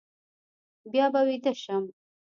بیا به ویده شم.